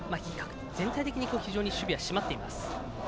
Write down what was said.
全体的に非常に守備は締まっています。